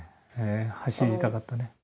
走りたかったね。